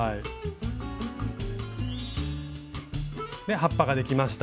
葉っぱができました。